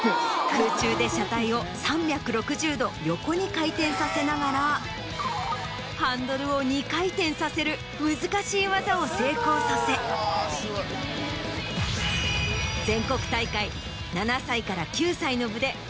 ・空中で車体を３６０度横に回転させながらハンドルを２回転させる難しい技を成功させ全国大会。